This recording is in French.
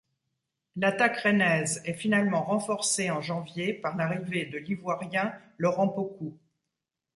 L'attaque rennaise est finalement renforcé en janvier par l'arrivée de l'Ivoirien Laurent Pokou.